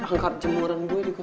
angkat jemuran gue juga